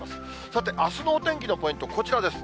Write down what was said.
さて、あすのお天気のポイント、こちらです。